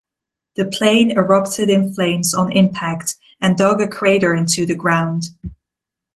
The plane erupted in flames on impact, and dug a crater into the ground.